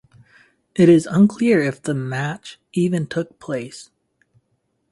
It is unclear if the match even took place.